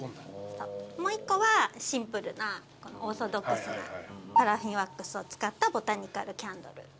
もう１個はシンプルなオーソドックスなパラフィンワックスを使ったボタニカルキャンドル。